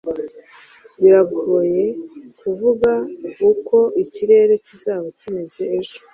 Biragoye kuvuga uko ikirere kizaba kimeze ejo.